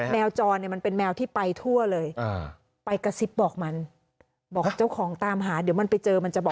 แมวจรเนี่ยมันเป็นแมวที่ไปทั่วเลยไปกระซิบบอกมันบอกเจ้าของตามหาเดี๋ยวมันไปเจอมันจะบอก